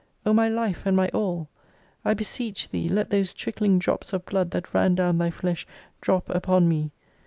O my life and my all! I beseech Thee let those trickling drops of blood that ran dov/n Thy flesh drop upon me.